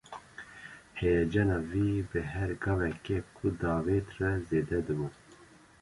Heyecana wî bi her gaveke ku davêt re zêde dibû.